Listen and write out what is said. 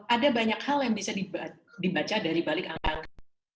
ada banyak hal yang bisa dibaca dari balik angka angka